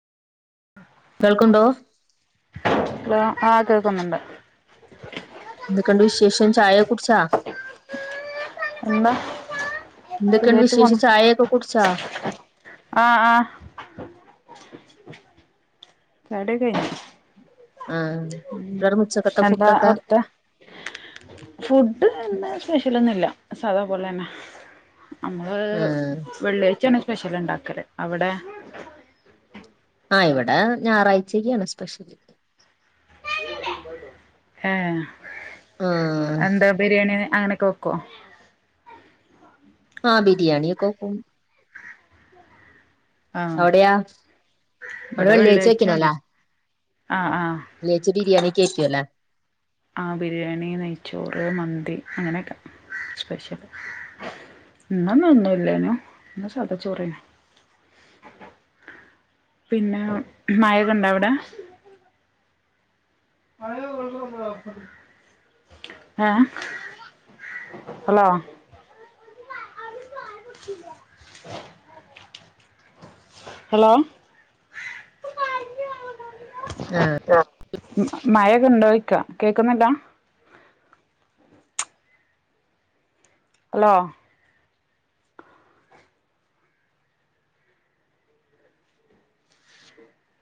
[inaudible] കേൾക്കുണ്ടോ hello ആഹ് കേക്കുന്നുണ്ട് എന്തെക്കെ ണ്ട് വിശേഷം ചായ ക്കെ കുടിച്ച എന്നാ എന്തൊക്കെയുണ്ട് വിശേഷം ചായയൊക്കെ കുടിച്ചാ ആഹ് ആഹ് ചായ കൂടിക്കെ കൈഞ് ആഹ് കുട്ടികളുടെ ഉച്ചക്കത്തെ എന്താ ഫുഡൊക്കെ അവിടുത്തെ ഫുഡ് ഇന്ന് സ്പെഷ്യലൊന്നും ഇല്ലാ സാദാപൊലെ തന്നെ നമ്മള് ആഹ് വെള്ളിയാഴ്ചാണ് സ്പെഷ്യൽ ഇണ്ടാക്കല് അവിടെ ആഹ് ഇവിടെ ഞായറാഴ്ചയ്ക്കാണ് സ്പെഷ്യല് [inaudible] ഏഹ് ആഹ് എന്താ ബിരിയാണി അങ്ങനെക്കെ വെക്കോ ആഹ ബിരിയാണിയൊക്കെ വെക്കും ആഹ് അവിടെയാ അവിടെ ഇവിടെ വെള്ളിയാഴ്ച വെള്ളിയാഴ്ചാണ് വെക്കണല്ലേ ആഹ ആഹ വെള്ളിയാഴ്ച ബിരിയാണിയൊക്കെ വെക്കും അല്ലേ ആഹ് ബിരിയാണി നെയ്ച്ചോറ് മന്തി അങ്ങനെയൊക്കെ സ്പെഷ്യൽ ഇന്നലൊന്നും ഇല്ലേന്നു ഇന്ന് സാദാ ചോറേന്ന് പിന്നെ മയൊക്കെണ്ട അവിടെ [inaudible] ഏഹ് ഹലോ [inaudible] ഹലോ ആഹ മഴക്കെ ഇണ്ടോ ചോയ്ക്കാ കേൾക്കുന്നില്ലാ ഹലോ